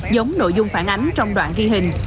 giống nội dung phản ánh trong đoạn ghi hình